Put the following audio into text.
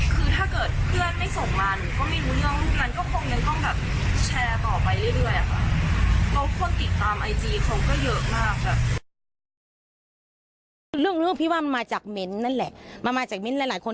คือถ้าเขารู้ว่ามีคนโกงสองคนเขาก็ต้องรู้ว่าหนูคือไม่ใช่คนที่ไปโกงเขาอ่ะค่ะ